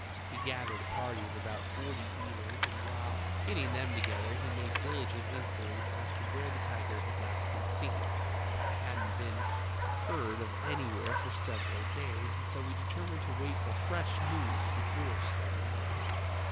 He gathered a party of about forty beaters and while getting them together he made diligent inquiries as to where the tiger had last been seen. He hadn't been heard of any where for several days and so we determined to wait for fresh news before starting out.